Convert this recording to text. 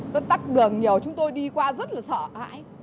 nó tắt đường nhiều chúng tôi đi qua rất là sợ hãi